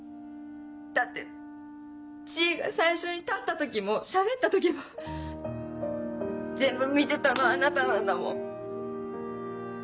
だって知恵が最初に立った時もしゃべった時も全部見てたのあなたなんだもん。